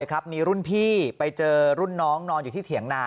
มีรุ่นพี่ไปเจอรุ่นน้องนอนอยู่ที่เถียงนา